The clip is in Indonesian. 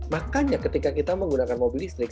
makanya ketika kita menggunakan mobil listrik